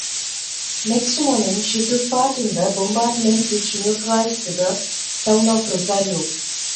Next morning she took part in the bombardment which neutralized the town of Rosario.